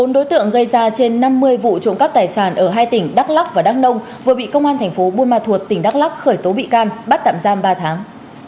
bốn đối tượng gây ra trên năm mươi vụ trộm cắp tài sản ở hai tỉnh đắk lắc và đắk nông vừa bị công an thành phố buôn ma thuột tỉnh đắk lắc khởi tố bị can bắt tạm giam ba tháng